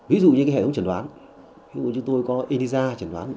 ví dụ như hệ thống trần đoán chúng tôi có elisa trần đoán